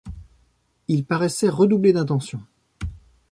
Il paraissait redoubler d’attention.